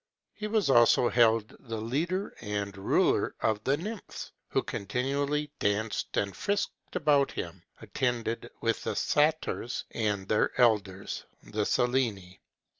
He was also held the leader and ruler of the Nymphs, who continually danced and frisked about him, attended with the Satyrs and their elders, the Sileni.